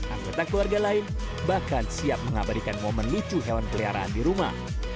anggota keluarga lain bahkan siap mengabadikan momen lucu hewan peliharaan di rumah